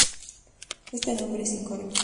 Este nombre es incorrecto.